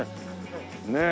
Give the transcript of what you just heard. ねえ。